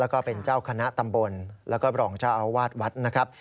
แล้วก็เป็นเจ้าคณะตำบลแล้วก็รองเจ้าอาวาสวัดนะครับ